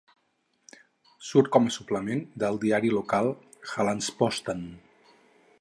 Surt com suplement del diari local Hallandsposten.